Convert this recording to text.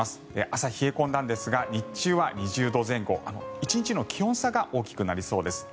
朝、冷え込んだんですが日中は２０度前後１日の気温差が大きくなりそうです。